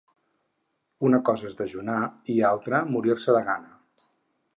Una cosa és dejunar i altra morir-se de gana.